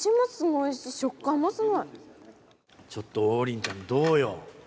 ちょっと王林ちゃんどうよ？